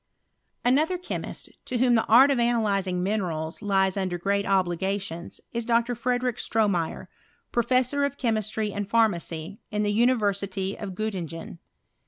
Another chemist, to whom the art of analyzing minerals lies under great obligations, is Dr. Frederick Stroraeyer, professor of chemistry and pharmacy, ia the University of Gottingen.